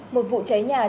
một vụ cháy nhà xảy ra